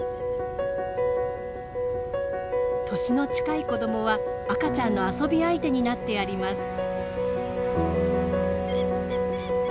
年の近い子どもは赤ちゃんの遊び相手になってやります。